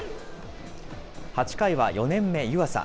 ８回は４年目、湯浅。